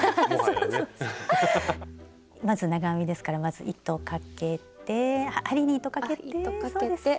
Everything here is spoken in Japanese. まず長編みですからまず糸かけて針に糸かけてそうです。